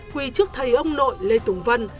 quỳ trước thầy ông nội lê tùng vân